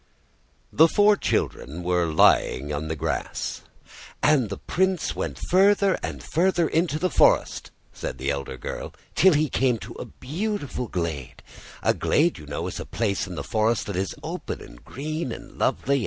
The four children were lying on the grass. "... and the Prince went further and further into the forest," said the elder girl, "till he came to a beautiful glade a glade, you know, is a place in the forest that is open and green and lovely.